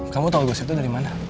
kamu tau gosipnya dari mana